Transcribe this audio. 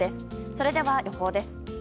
それでは予報です。